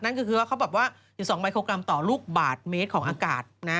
นั่นก็คือว่าเขาบอกว่า๑๒ไมโครกรัมต่อลูกบาทเมตรของอากาศนะ